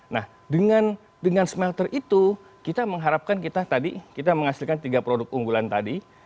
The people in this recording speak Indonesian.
nah dengan smelter itu kita mengharapkan kita tadi kita menghasilkan tiga produk unggulan tadi